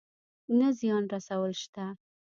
نه زيان رسول شته.